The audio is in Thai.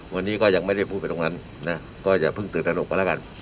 วันนี้ก็ยังไม่ได้พูดไปตรงนั้นนะก็อย่าเพิ่งตื่นตนกกันแล้วกัน